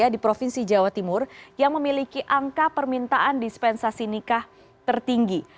di provinsi jawa timur yang memiliki angka permintaan dispensasi nikah tertinggi